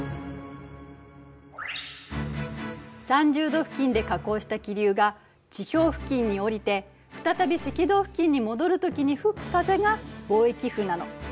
３０度付近で下降した気流が地表付近に降りて再び赤道付近に戻る時に吹く風が「貿易風」なの。